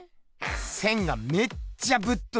線がめっちゃぶっといし。